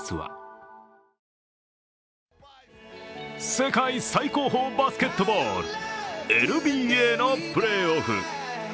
世界最高峰のバスケットボール・ＮＢＡのプレーオフ。